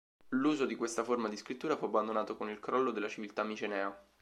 L'uso di questa forma di scrittura fu abbandonato con il crollo della civiltà micenea.